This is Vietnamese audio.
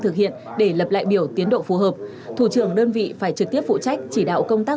thực hiện để lập lại biểu tiến độ phù hợp thủ trưởng đơn vị phải trực tiếp phụ trách chỉ đạo công tác